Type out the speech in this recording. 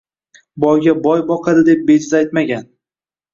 Boyga boy boqadi deb bejiz aytmagan